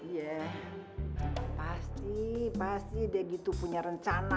ya pasti pasti dia gitu punya rencana